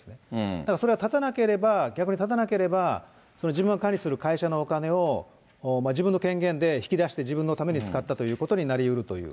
だからそれはたたなければ、逆にたたなければ、自分が管理する会社のお金を、自分の権限で引き出して自分のために使ったということになりうるという。